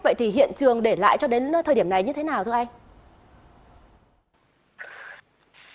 vậy thì hiện trường để lại cho đến thời điểm này như thế nào thưa anh